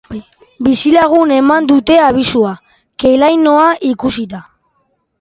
Bizilagunek eman dute abisua, ke-lainoa ikusita.